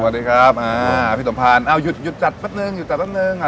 สวัสดีครับพี่สมภารอ้าวหยุดจัดแป๊บนึงหยุดจัดแป๊บนึง